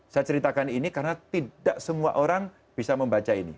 saya ceritakan ini karena tidak semua orang bisa membaca ini